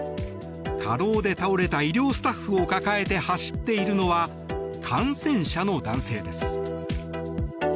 過労で倒れた医療スタッフを抱えて走っているのは感染者の男性です。